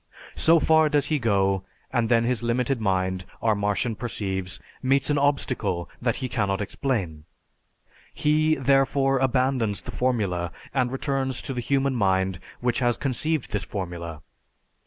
So far does he go, and then his limited mind, our Martian perceives, meets an obstacle that he cannot explain. He, therefore, abandons the formula and returns to the human mind which has conceived this formula.